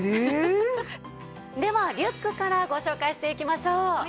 ではリュックからご紹介していきましょう。